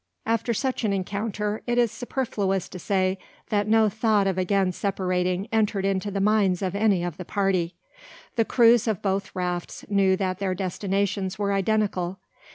After such an encounter, it is superfluous to say that no thought of again separating entered into the minds of any of the party. The crews of both rafts knew that their destinations were identical.